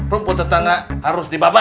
rumput tetangga harus dibabat